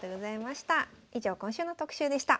以上今週の特集でした。